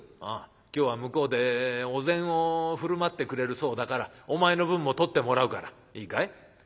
「ああ今日は向こうでお膳を振る舞ってくれるそうだからお前の分も取ってもらうからいいかい？